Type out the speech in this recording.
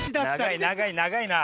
長い長い長いな。